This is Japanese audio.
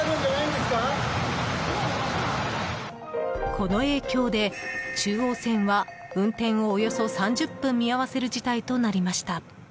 この影響で、中央線は運転をおよそ３０分見合わせる事態となりました。